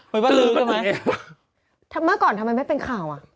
เมื่อก่อนทำไมไม่เป็นข่าว